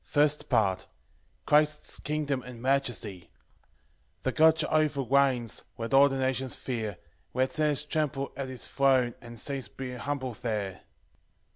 First Part. Christ's kingdom and majesty. 1 The God Jehovah reigns, Let all the nations fear, Let sinners tremble at his throne, And saints be humble there.